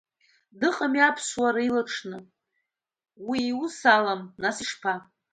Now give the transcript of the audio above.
Дыҟами аԥсуара илаҽны, уи иус алам, нас ишԥа?!